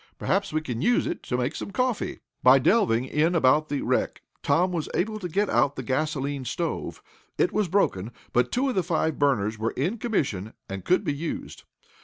Perhaps we can use it to make some coffee." By delving in about the wreck, Tom was able to get out the gasolene stove. It was broken, but two of the five burners were in commission, and could be used.